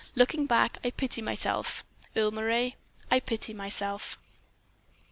Looking back, I pity myself, Earle Moray I pity myself!"